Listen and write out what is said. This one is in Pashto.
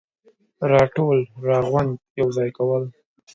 راټول ، راغونډ ، يوځاي کول,